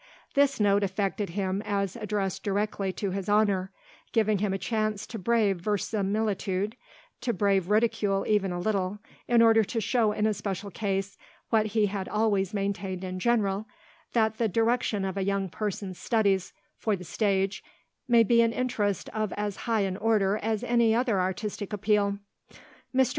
This note affected him as addressed directly to his honour, giving him a chance to brave verisimilitude, to brave ridicule even a little, in order to show in a special case what he had always maintained in general, that the direction of a young person's studies for the stage may be an interest of as high an order as any other artistic appeal. "Mr.